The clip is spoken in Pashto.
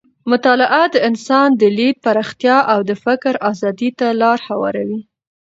مطالعه د انسان د لید پراختیا او د فکر ازادۍ ته لاره هواروي.